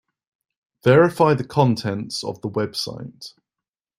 Verify the contents of the website.